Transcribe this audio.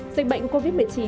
dịch bệnh covid một mươi chín